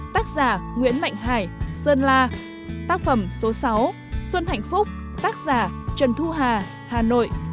tác giả trần thu hà hà nội